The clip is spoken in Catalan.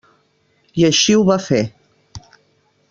I així ho va fer.